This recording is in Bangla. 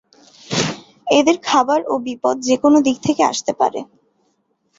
এদের খাবার ও বিপদ যে-কোনো দিক থেকে আসতে পারে।